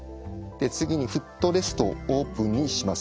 次にフットレストをオープンにします。